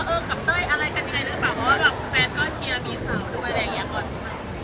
เพราะว่าแฟนก็เชียร์มีสาวหรืออะไรอย่างเงี้ยก่อน